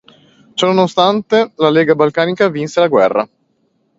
Ciò nonostante, la Lega balcanica vinse la guerra.